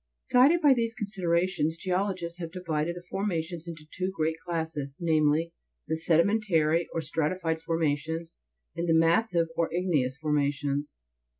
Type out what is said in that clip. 25. Guided by these considerations, geologists have divided the formations into two great classes ; namely, the sedimentary, or stratified formations, and the massif or igneous formations.